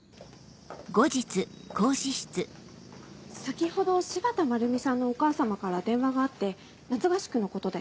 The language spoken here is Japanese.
先ほど柴田まるみさんのお母様から電話があって夏合宿のことで。